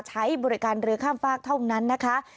ใช้บริการเรือข้ามฝากเท่านั้นนะคะ